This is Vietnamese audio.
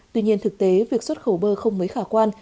tuy nhiên thực tế việc xuất khẩu bơ không mấy khả quan